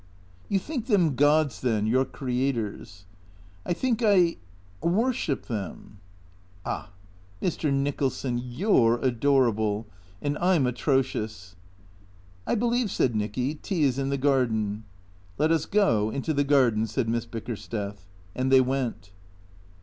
" You think them gods, then, your creators ?"" I think I — worship them." " Ah, Mr. Nicholson, you 're adorable. And I 'mi atrocious."' " I believe," said Nicky, " tea is in the garden." " Let us go into the garden," said Miss Bickersteth. And they went.